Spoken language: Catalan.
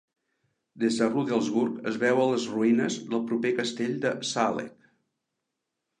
Des de Rudelsburg es veuen les ruïnes del proper castell de Saaleck.